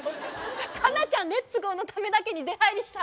かなちゃんレッツゴーのためだけに出はいりした。